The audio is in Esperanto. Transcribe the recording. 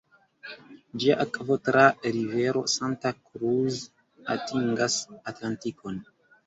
Ĝia akvo tra rivero Santa Cruz atingas Atlantikon.